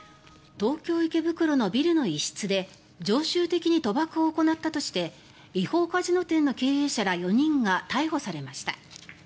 東京・池袋のビルの一室で常習的に賭博を行ったとして違法カジノ店の経営者ら４人が逮捕されました。